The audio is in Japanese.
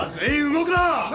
動くな！